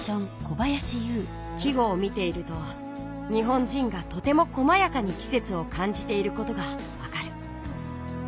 季語を見ていると日本人がとてもこまやかにきせつをかんじていることがわかる。